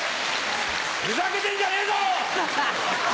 ふざけてんじゃねえぞ！